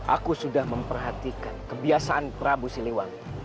aku sudah memperhatikan kebiasaan prabu siliwan